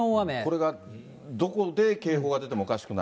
これがどこで警報が出てもおかしくない？